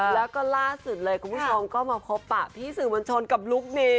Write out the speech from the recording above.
แล้วก็ล่าสุดเลยคุณผู้ชมก็มาพบปะพี่สื่อมวลชนกับลุคนี้